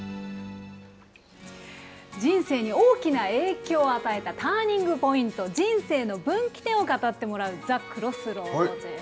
人生に大きな影響を与えたターニングポイント、人生の分岐点を語ってもらう、ＴｈｅＣｒｏｓｓｒｏａｄです。